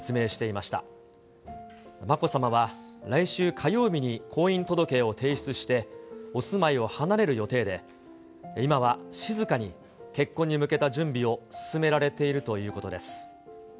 まこさまは来週火曜日に、婚姻届を提出して、お住まいを離れる予定で、今は静かに結婚に向けた準備を進められているということです。